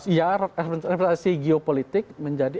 iya representasi geopolitik menjadi